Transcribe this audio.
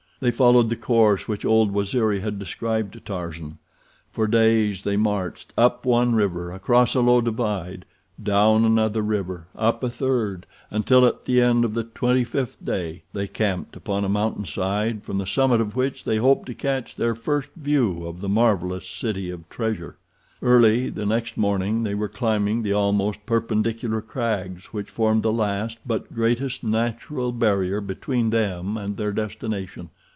They followed the course which old Waziri had described to Tarzan. For days they marched—up one river, across a low divide; down another river; up a third, until at the end of the twenty fifth day they camped upon a mountainside, from the summit of which they hoped to catch their first view of the marvelous city of treasure. Early the next morning they were climbing the almost perpendicular crags which formed the last, but greatest, natural barrier between them and their destination.